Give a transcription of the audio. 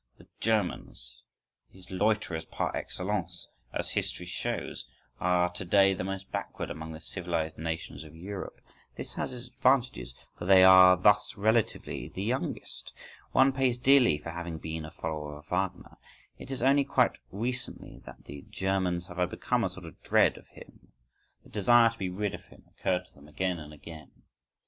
The Germans, these loiterers par excellence, as history shows, are to day the most backward among the civilised nations of Europe; this has its advantages,—for they are thus relatively the youngest. One pays dearly for having been a follower of Wagner. It is only quite recently that the Germans have overcome a sort of dread of him,—the desire to be rid of him occurred to them again and again.